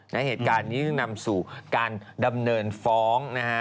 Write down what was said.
ในเหตุการณ์นี้นำสู่การดำเนินฟ้อง